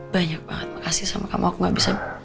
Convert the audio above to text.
banyak banget makasih sama kamu aku gak bisa